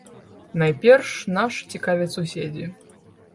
Найперш наш цікавяць суседзі.